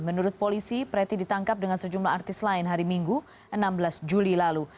menurut polisi preti ditangkap dengan sejumlah artis lain hari minggu enam belas juli lalu